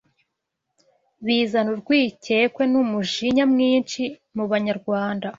bizana urwikekwe n’umujinya mwinshi mu Banyarwanda